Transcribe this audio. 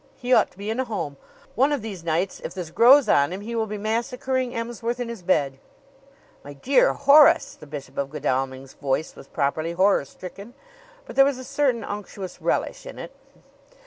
He ought to be in a home. One of these nights, if this grows on him, he will be massacring Emsworth in his bed." "My dear Horace!" The Bishop of Godalming's voice was properly horror stricken; but there was a certain unctuous relish in it.